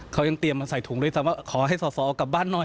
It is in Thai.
เขายังเตรียมมาใส่ถุงเลยขอให้ส่อเอากลับบ้านหน่อย